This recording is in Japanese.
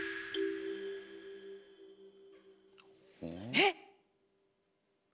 えっ。